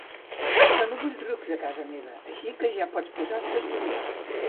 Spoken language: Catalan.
Jo no vull rucs a casa meva així que ja pots posar-te a estudiar